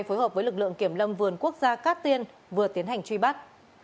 phối hợp với lực lượng kiểm lâm vườn quốc gia cát tiên vừa tiến hành truy bắt